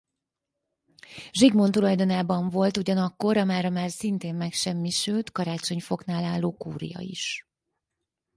Zsigmond tulajdonában volt ugyanakkor a mára már szintén megsemmisült Karácsonyfoknál álló kúria is.